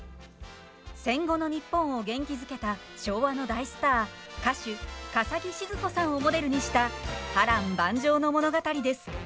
戦後の日本を元気づけた昭和の大スター、歌手、笠置シヅ子さんをモデルにした波乱万丈の物語。